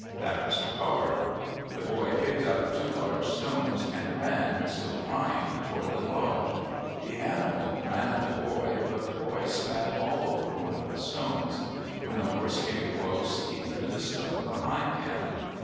That was her guard. The boy picked up two large stones and ran, still crying, toward the lodge. The animal ran at the boy, but the boy spat all over one of the stones. When the horse came close, he threw the stone behind him.